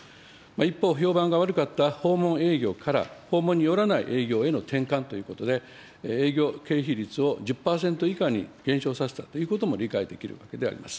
一方、評判が悪かった訪問営業から、訪問によらない営業への転換ということで、営業経費率を１０％以下に減少させたということも理解できるわけであります。